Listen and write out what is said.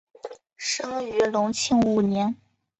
生于隆庆五年。